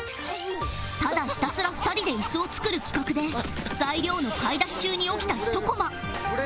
ただひたすら２人で椅子を作る企画で材料の買い出し中に起きたひとコマ